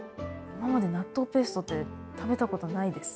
今まで納豆ペーストって食べたことないです。